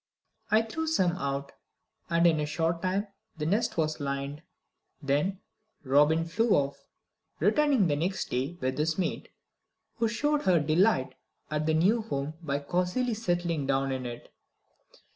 I threw some out, and in a short time the nest was lined. Then Robin flew off, returning the next day with his mate, who showed her delight at the new home by cozily settling down in it.